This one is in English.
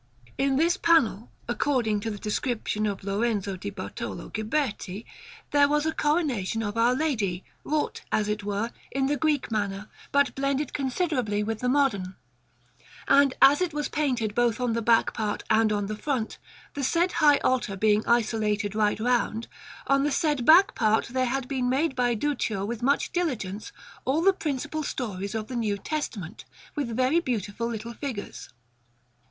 In this panel, according to the description of Lorenzo di Bartolo Ghiberti, there was a Coronation of Our Lady, wrought, as it were, in the Greek manner, but blended considerably with the modern. And as it was painted both on the back part and on the front, the said high altar being isolated right round, on the said back part there had been made by Duccio with much diligence all the principal stories of the New Testament, with very beautiful little figures.